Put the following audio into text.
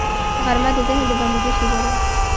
غرمه د ذهن د بندېدو شیبه ده